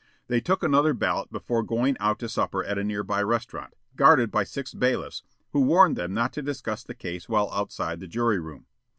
They took another ballot before going out to supper at a nearby restaurant, guarded by six bailiffs, who warned them not to discuss the case while outside the jury room.